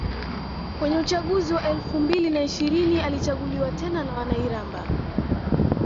Kwenye uchaguzi wa elfu mbili na ishirini alichaguliwa tena na wana Iramba